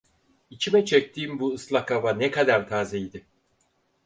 İçime çektiğim bu ıslak hava ne kadar tazeydi!